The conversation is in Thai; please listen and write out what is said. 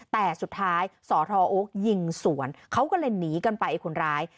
แต่สุดท้ายสทโอ๊คยิงสวนเขาก็เลยหนีกันไปไอ้คนร้าย